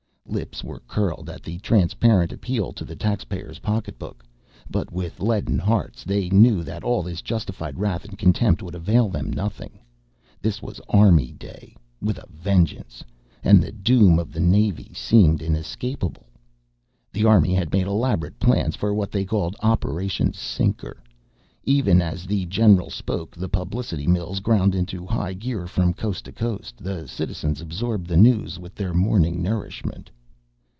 Lips were curled at the transparent appeal to the taxpayer's pocketbook. But with leaden hearts they knew that all this justified wrath and contempt would avail them nothing. This was Army Day with a vengeance, and the doom of the Navy seemed inescapable. The Army had made elaborate plans for what they called "Operation Sinker." Even as the general spoke the publicity mills ground into high gear. From coast to coast the citizens absorbed the news with their morning nourishment.